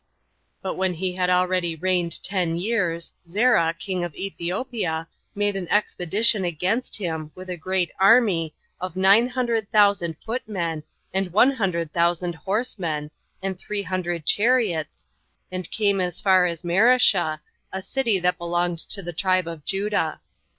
But when he had already reigned ten years, Zerah, king of Ethiopia, 30 made an expedition against him, with a great army, of nine hundred thousand footmen, and one hundred thousand horsemen, and three hundred chariots, and came as far as Mareshah, a city that belonged to the tribe of Judah.